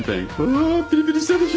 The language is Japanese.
あピリピリしたでしょ。